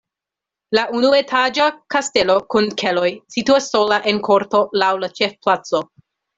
La unuetaĝa kastelo kun keloj situas sola en korto laŭ la ĉefplaco.